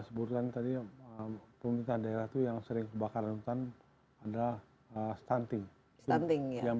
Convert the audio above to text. sebutkan tadi pemerintahan daerah itu yang sering kebakaran hutan adalah stunting yang